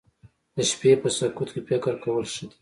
د شپې په سکوت کې فکر کول ښه دي